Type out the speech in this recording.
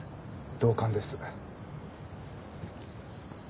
同感です。